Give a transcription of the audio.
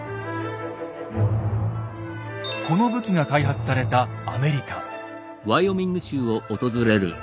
この武器が開発されたアメリカ。